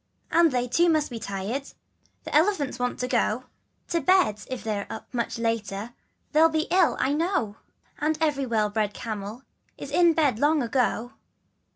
And they too must be tired dear, The elephants want to go To bed, if they're much later, They'll all be ill I know, And every well bred camel, Is in bed long ago.